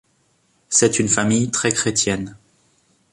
C'est une famille très chrétienne.